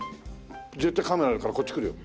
絶対カメラあるからこっち来るよ。